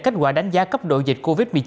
kết quả đánh giá cấp độ dịch covid một mươi chín